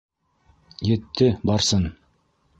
Етте, Барсын...